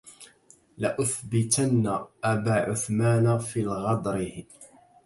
لأثبتن أبا عثمان في الغدره